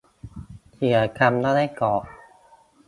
เสียกำแล้วได้กอบ